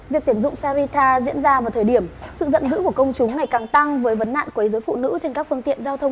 việc tiền dụng saritha diễn ra vào thời điểm sự giận dữ của công chúng ngày càng tăng với vấn nạn quấy giới phụ nữ trên các phố